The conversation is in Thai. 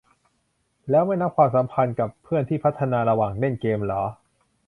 แล้วไม่นับความสัมพันธ์กับเพื่อนที่พัฒนาระหว่างเล่นเกมเหรอ ?